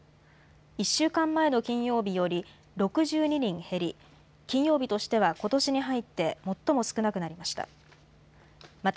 １週間前の金曜日より６２人減り、金曜日としてはことしに入って最も少なくなりました。